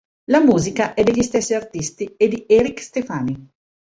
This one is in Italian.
La musica è degli stessi artisti e di Eric Stefani.